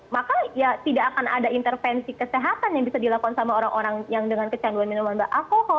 maka ya tidak akan ada intervensi kesehatan yang bisa dilakukan sama orang orang yang dengan kecanduan minuman beralkohol